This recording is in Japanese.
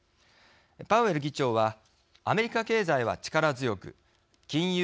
パウエル議長はアメリカ経済は力強く金融